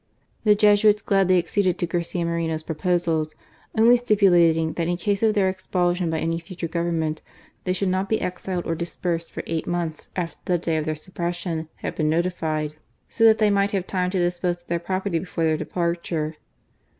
The Jesuits gladly acceded to Garcia Moreno's proposals, only stipulating that in case of their expulsion by any future Government, they should not be exiled or dispersed for eight months after the day of their suppression had been notified : so that they might have time to dispose of their property before their departure.